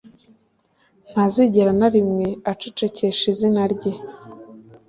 ntazigera na rimwe acecekesha izina rya